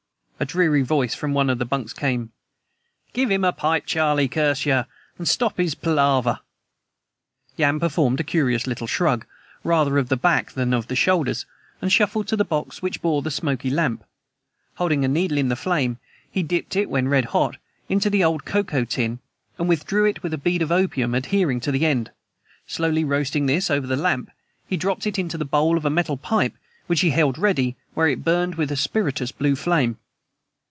A dreary voice from one of the bunks came: "Give 'im a pipe, Charlie, curse yer! an' stop 'is palaver." Yan performed a curious little shrug, rather of the back than of the shoulders, and shuffled to the box which bore the smoky lamp. Holding a needle in the flame, he dipped it, when red hot, into an old cocoa tin, and withdrew it with a bead of opium adhering to the end. Slowly roasting this over the lamp, he dropped it into the bowl of the metal pipe which he held ready, where it burned with a spirituous blue flame.